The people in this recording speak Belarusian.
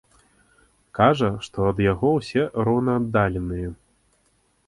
Кажа, што ад яго ўсе роўнааддаленыя.